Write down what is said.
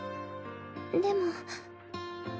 でも。